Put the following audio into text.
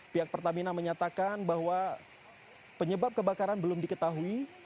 pihak pertamina menyatakan bahwa penyebab kebakaran belum diketahui